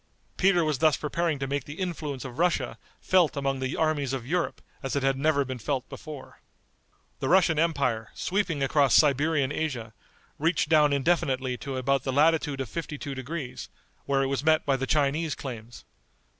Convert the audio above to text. Peter was thus preparing to make the influence of Russia felt among the armies of Europe as it had never been felt before. The Russian empire, sweeping across Siberian Asia, reached down indefinitely to about the latitude of fifty two degrees, where it was met by the Chinese claims.